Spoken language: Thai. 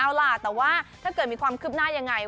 เอาล่ะแต่ว่าถ้าเกิดมีความคืบหน้ายังไง